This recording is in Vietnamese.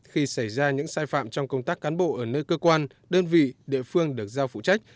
khi xảy ra những sai phạm trong công tác cán bộ ở nơi cơ quan đơn vị địa phương được giao phụ trách